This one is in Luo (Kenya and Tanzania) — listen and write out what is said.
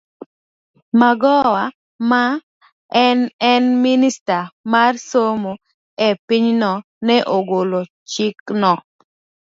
Magoha, ma ne en Minista mar somo e pinyno, ne ogolo chikno.